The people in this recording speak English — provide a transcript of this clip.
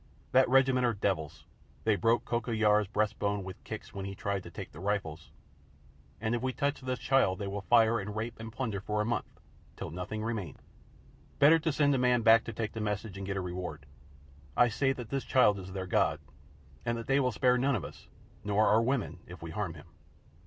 That regiment are devils. They broke Khoda Yar's breast bone with kicks when he tried to take the rifles; and if we touch this child they will fire and rape and plunder for a month, till nothing remains. Better to send a man back to take the message and get a reward. I say that this child is their God, and that they will spare none of us, nor our women, if we harm him."